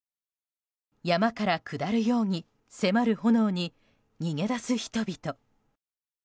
山から下るように迫る炎に逃げ出す人々。